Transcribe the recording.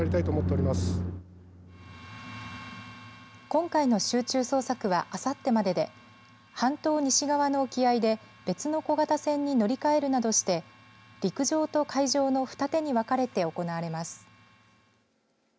今回の集中捜索はあさってまでで半島西側の沖合で別の小型船に乗り換えるなどして陸上と海上の二手に分かれて行われます。